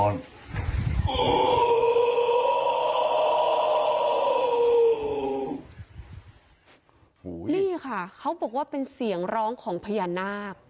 นี่ค่ะเขาบอกว่าเป็นเสียงร้องของพญานาค